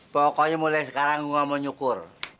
pokoknya mulai sekarang gua mau nyukur